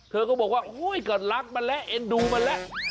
เธอก็บอกว่าก็รักมันแล้วเอ็นดูมันแล้ว